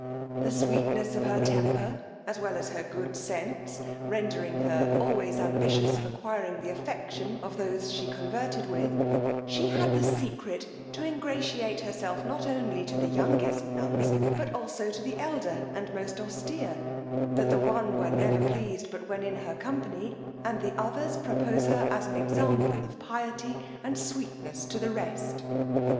The sweetness of her temper, as well as her good sense, rendering her always ambitious of acquiring the affection of those she converted with, she had the secret to ingratiate herself not only to the youngest nuns, but also to the elder and most austere, that the one were never pleased but when in her company, and the others propose her as an example of piety and sweetness to the rest.